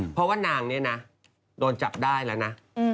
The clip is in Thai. เพราะว่านางเนี่ยนะโดนจับได้แล้วนะ